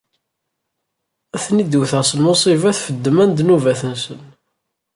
Ad ten-id-wteɣ s lmuṣibat ɣef ddemma n ddnubat-nsen.